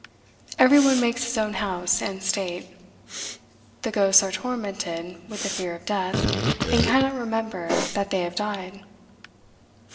Every one makes his own house and state. The ghosts are tormented with the fear of death, and cannot remember that they have died.